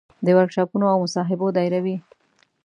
د ورکشاپونو او مصاحبو دایروي.